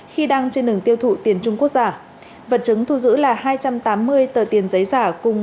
khi đang trên đường tiêu thụ tiền trung quốc giả vật chứng thu giữ là hai trăm tám mươi tờ tiền giấy giả